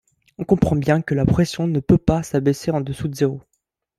On comprend bien que la pression ne peut pas s'abaisser en dessous de zéro.